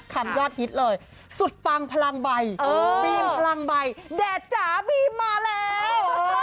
ยอดฮิตเลยสุดปังพลังใบบีมพลังใบแดดจ๋าบีมมาแล้ว